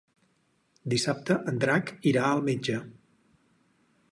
Dissabte en Drac irà al metge.